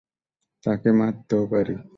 তাকে মারতেও পারি।